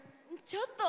ちょっと。